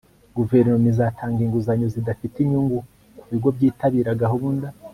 Guverinoma izatanga inguzanyo zidafite inyungu ku bigo byitabira gahunda